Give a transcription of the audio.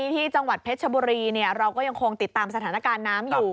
ที่จังหวัดเพชรชบุรีเราก็ยังคงติดตามสถานการณ์น้ำอยู่